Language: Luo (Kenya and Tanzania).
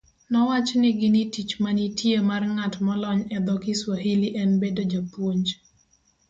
Nowachnigi ni tich manitie mar ng'at molony e dho Kiswahili en bedo japuonj